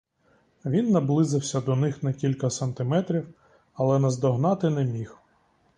Він наблизився до них на кілька сантиметрів, але наздогнати не міг.